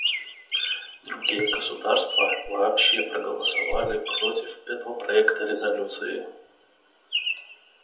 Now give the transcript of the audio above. Другие государства вообще проголосовали против этого проекта резолюции.